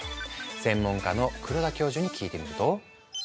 専門家の黒田教授に聞いてみると。